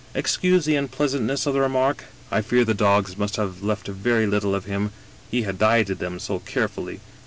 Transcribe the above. Excuse the unpleasantness of the remark: I fear the dogs must, have left very little of him, he had dieted them so carefully..